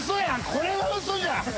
これは嘘じゃ。